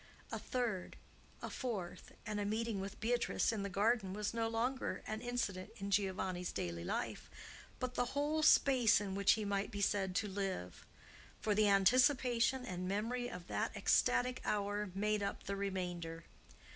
A third; a fourth; and a meeting with Beatrice in the garden was no longer an incident in Giovanni's daily life, but the whole space in which he might be said to live; for the anticipation and memory of that ecstatic hour made up the remainder.